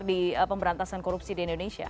di pemberantasan korupsi di indonesia